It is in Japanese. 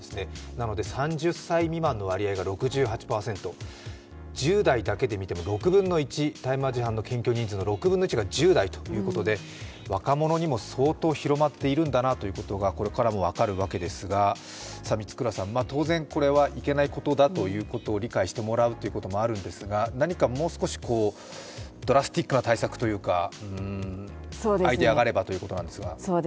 なので３０歳未満の割合が６８％、１０代だけで見ても大麻事犯の検挙人数の６分の１が１０代ということで若者にも相当広まっているんだなということがここからも分かるわけですが当然これはいけないことだということを理解してもらうということもあるんですが、何かもう少しドラスティックな対策というかアイデアがあればということなんですが。